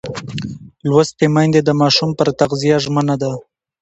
لوستې میندې د ماشوم پر تغذیه ژمنه ده.